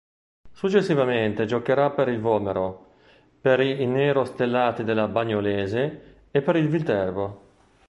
Successivamente giocherà per il Vomero, per i nerostellati della Bagnolese e per il Viterbo.